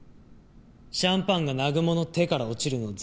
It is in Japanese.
シャンパンが南雲の手から落ちるのをずっと。